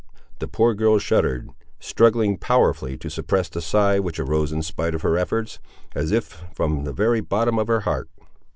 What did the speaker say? The poor girl shuddered, struggling powerfully to suppress the sigh which arose in spite of her efforts, as if from the very bottom of her heart.